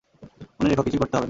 মনে রেখো, কিছুই করতে হবে না।